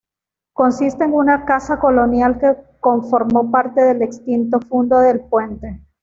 Consiste en una casa colonial que conformó parte del extinto fundo El Puente.